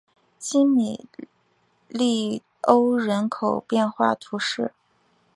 基米利欧人口变化图示